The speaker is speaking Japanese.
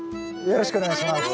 よろしくお願いします。